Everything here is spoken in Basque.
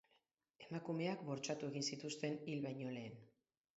Emakumeak bortxatu egin zituzten, hil baino lehen.